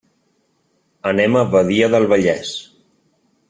Anem a Badia del Vallès.